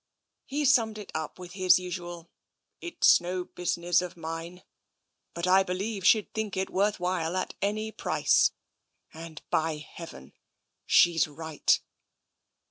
He summed it up with his usual, " It's no business of mine. But I believe she'd think it worth while, at any price — and by Heaven, she's right